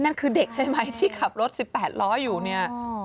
นั่นคือเด็กใช่ไหมที่ขับรถ๑๘ล้ออยู่เนี่ย